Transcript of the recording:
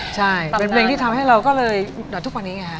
ใช่เป็นเพลงที่ทำให้เราก็เลยทุกวันนี้ไงฮะ